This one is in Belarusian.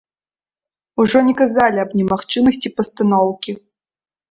Ужо не казалі аб немагчымасці пастаноўкі.